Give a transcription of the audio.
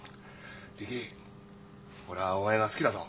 リキ俺はお前が好きだぞ。